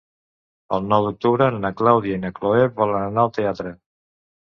El nou d'octubre na Clàudia i na Cloè volen anar al teatre.